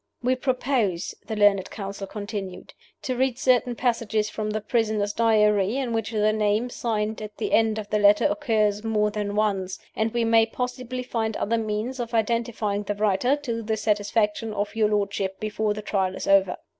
"We propose," the learned counsel continued, "to read certain passages from the prisoner's Diary, in which the name signed at the end of the letter occurs more than once; and we may possibly find other means of identifying the writer, to the satisfaction of your lordships, before the Trial is over."